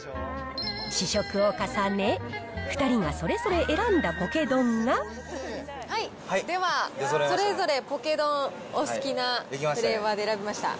試食を重ね、では、それぞれポケ丼、お好きなフレーバーで選びました。